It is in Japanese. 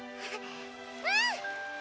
うん！